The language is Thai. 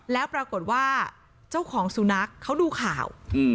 แล้วปรากฏว่าเจ้าของสุนัขเขาดูข่าว